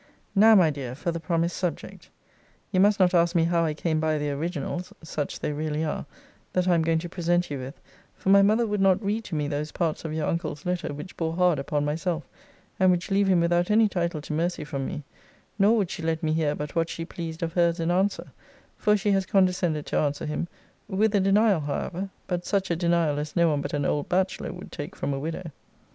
Now, my dear, for the promised subject. You must not ask me how I came by the originals [such they really are] that I am going to present you with: for my mother would not read to me those parts of your uncle's letter which bore hard upon myself, and which leave him without any title to mercy from me: nor would she let me hear but what she pleased of her's in answer; for she has condescended to answer him with a denial, however; but such a denial as no one but an old bachelor would take from a widow.